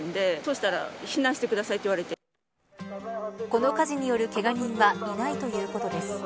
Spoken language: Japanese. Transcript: この火事によるけが人はいないということです。